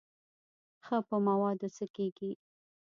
ښه په موادو څه کېږي.